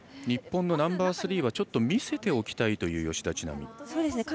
日本のナンバースリーは見せておきたいという吉田知那美です。